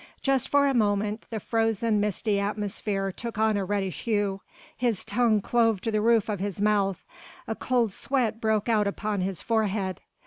Just for a moment the frozen, misty atmosphere took on a reddish hue, his tongue clove to the roof of his mouth, a cold sweat broke out upon his forehead.